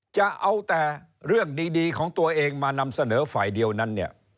จะเอาแต่เรื่องดีของตัวเองมานำเสนอฝ่ายเดียวนั้นเนี่ย